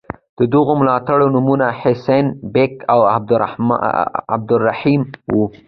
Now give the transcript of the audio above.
د دغو ملاتړو نومونه حسین بېګ او عبدالرحیم وو.